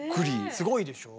すごいでしょう。